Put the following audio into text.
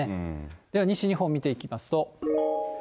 では西日本、見ていきますと。